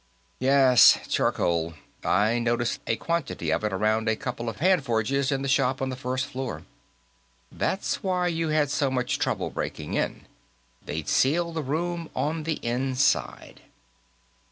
"Yes; charcoal. I noticed a quantity of it around a couple of hand forges in the shop on the first floor. That's why you had so much trouble breaking in; they'd sealed the room on the inside."